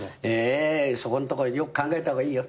そこんとこよく考えた方がいいよってなことをね